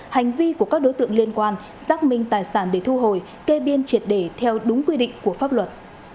hành vi của các đối tượng liên quan xác minh tài sản để thu hồi kê biên triệt để theo đúng quy định của pháp luật